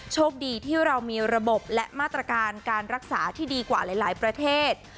โชคดีที่เรามีระบบและมาตรการการรักษาที่ดีกว่าหลายประเทศ